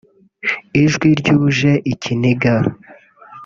ijwi ryuje ikiniga